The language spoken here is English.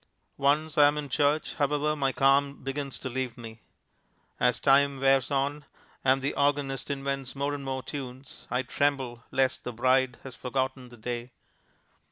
Once I am in church, however, my calm begins to leave me. As time wears on, and the organist invents more and more tunes, I tremble lest the bride has forgotten the day.